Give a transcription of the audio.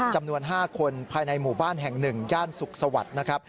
จำนวน๕คนภายในหมู่บ้านแห่ง๑ย่านสุขสวัสดิ์นะครับ